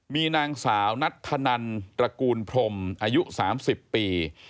มีนางสาวนัทธนันตระกูลพรมอายุ๓๐ปี